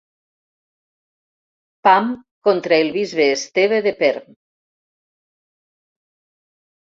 Pam, contra el bisbe Esteve de Perm.